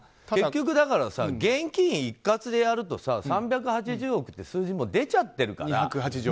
だから、現金一括でやると２８０億って数字も出ちゃってるから。